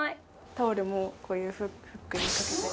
タオルもこういうフックにかけたり。